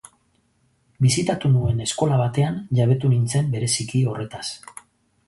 Bisitatu nuen eskola batean jabetu nintzen bereziki horretaz.